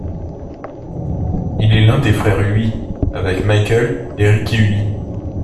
Il est l'un des frères Hui avec Michael et Ricky Hui.